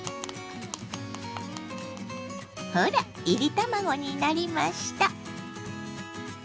ほらいり卵になりました。